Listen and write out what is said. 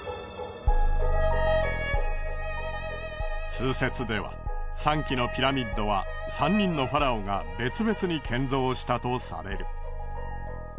通説では３基のピラミッドは３人のファラオが別々に建造したとされる。